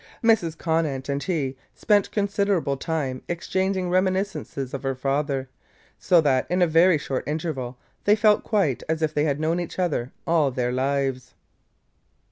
Mrs. Conant and he spent considerable time exchanging reminiscences of her father, so that, in a very short interval, they felt quite as if they had known each other all their lives.